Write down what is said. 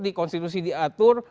di konstitusi diatur